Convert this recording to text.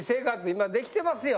今できてますよ。